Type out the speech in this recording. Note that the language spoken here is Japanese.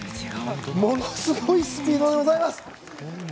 ものすごいスピードでございます。